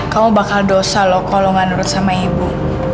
kau bakal dosa loh kalau gak nurut sama ibu